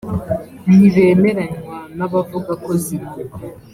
ntibemeranywa n’abavuga ko zinuka